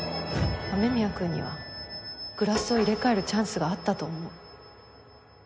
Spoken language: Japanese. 雨宮くんにはグラスを入れ替えるチャンスがあったと思う。